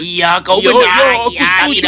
iya kau benar aku setuju